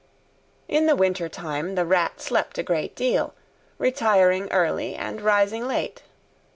In the winter time the Rat slept a great deal, retiring early and rising late.